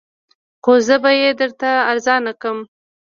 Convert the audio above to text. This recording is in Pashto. خو زه به یې درته ارزانه درکړم